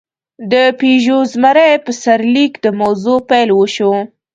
د «پيژو زمری» په سرلیک د موضوع پېل وشو.